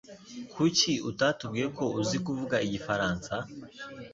Kuki utatubwiye ko uzi kuvuga igifaransa?